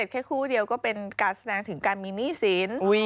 แค่คู่เดียวก็เป็นการแสดงถึงการมีหนี้สิน